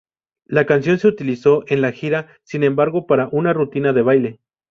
La canción se utilizó en la gira, sin embargo, para una rutina de baile.